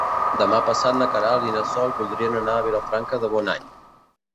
Demà passat na Queralt i na Sol voldrien anar a Vilafranca de Bonany.